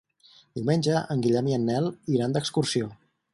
Diumenge en Guillem i en Nel iran d'excursió.